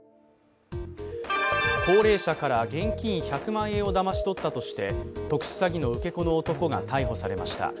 高齢者から現金１００万円をだまし取ったとして特殊詐欺の受け子の男が逮捕されました。